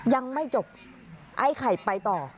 ยังไม่จบไอ้ไข่ไปต่อ